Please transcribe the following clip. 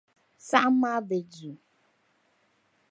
Saɣim maa be duu.